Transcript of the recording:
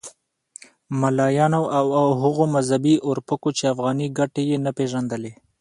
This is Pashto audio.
ملایانو او هغو مذهبي اورپکو چې افغاني ګټې یې نه پېژندلې.